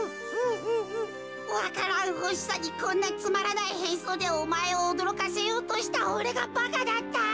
わか蘭ほしさにこんなつまらないへんそうでおまえをおどろかせようとしたおれがばかだった。